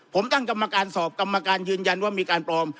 ผมตั้งกรรมการสอบกรรมการยืนยันว่ามีการปลอม